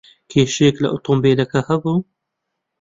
کێشەیەک لە ئۆتۆمۆبیلەکە ھەبوو؟